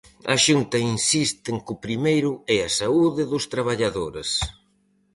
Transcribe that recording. A Xunta insiste en que o primeiro é a saúde dos traballadores.